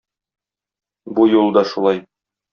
Бу юлы да шулай.